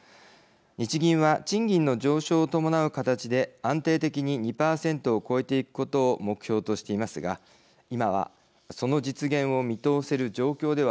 日銀は賃金の上昇を伴う形で安定的に２％を超えていくことを目標としていますが今はその実現を見通せる状況ではないとしています。